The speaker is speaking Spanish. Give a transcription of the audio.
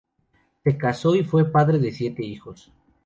Se casó y fue padre de siete hijos.